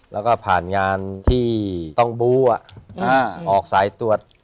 แล้วก็ผ่านงานที่ต้องบูออกสายตรวจ